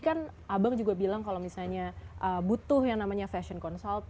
kan abang juga bilang kalau misalnya butuh yang namanya fashion consult